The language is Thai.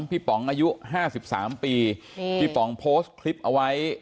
ป๋องอายุ๕๓ปีพี่ป๋องโพสต์คลิปเอาไว้